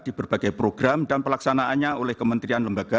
di berbagai program dan pelaksanaannya oleh kementerian lembaga